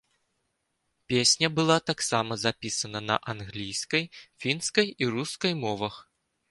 Песня была таксама запісана на англійскай, фінскай і рускай мовах.